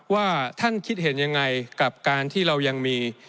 ว่าท่านคิดเห็นยังไงกับการที่เรายังมี